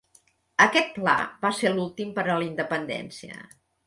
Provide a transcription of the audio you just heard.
Aquest pla va ser l'últim per a la independència.